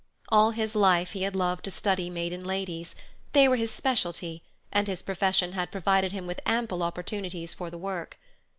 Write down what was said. All his life he had loved to study maiden ladies; they were his specialty, and his profession had provided him with ample opportunities for the work.